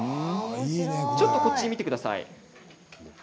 ちょっとこちらを見てください。